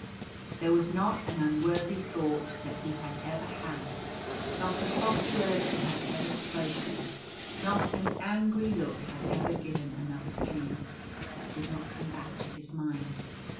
There was not an unworthy thought that he had ever had, not a cross word he had ever spoken, not an angry look that The Giant sees his Foe. 37 had ever given another pain, that did not come back to his mind.